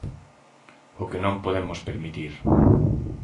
O que non podemos permitir.